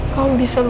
kau bisa lupain putri